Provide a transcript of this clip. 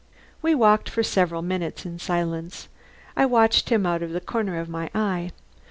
We walked for several minutes in silence. I watched him out of the corner of my eye.